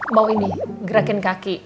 mau ini gerakin kaki